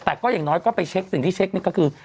แต่ก็อย่างน้อยก็ไปเช็คสิ่งที่เช็คนี่ก็คือ